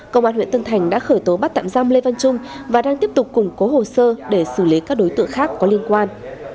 công an huyện tân thành đã khởi tố bắt tạm giam lê văn trung và đang tiếp tục củng cố hồ sơ để xử lý các đối tượng khác có liên quan